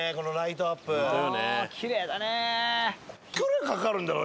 ああきれいだね。